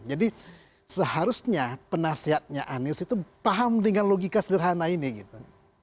jadi seharusnya penasihatnya anies itu paham dengan logika sederhana ini gitu